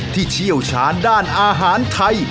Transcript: เชี่ยวชาญด้านอาหารไทย